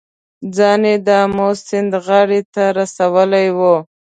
ځان یې د آمو سیند غاړې ته رسولی و.